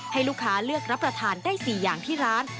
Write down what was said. ให้ลูกค้าเลือกรับประทานได้๔อย่างที่ร้าน